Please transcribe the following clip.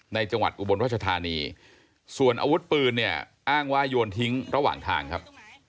จังหวัดอุบลรัชธานีส่วนอาวุธปืนเนี่ยอ้างว่าโยนทิ้งระหว่างทางครับ